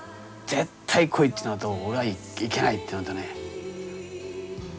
「絶対来い！」っていうのと「俺は行けない」っていうのとね。